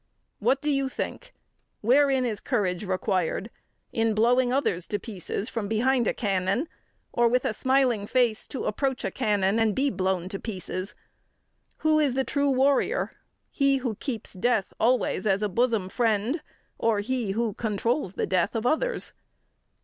What do you think? Wherein is courage required in blowing others to pieces from behind a cannon or with a smiling face to approach a cannon and to be blown to pieces? Who is the true warrior he who keeps death always as a bosom friend or he who controls the death of others?